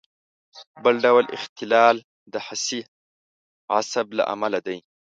بل ډول اختلال د حسي عصب له امله دی.